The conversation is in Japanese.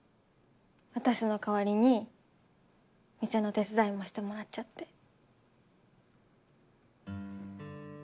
私の代わりに店の手伝いもしてもらっちゃって。